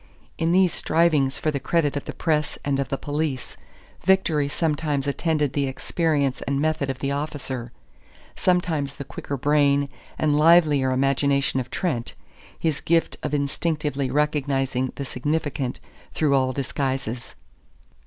In these strivings for the credit of the press and of the police, victory sometimes attended the experience and method of the officer, sometimes the quicker brain and livelier imagination of Trent, his gift of instinctively recognizing the significant through all disguises.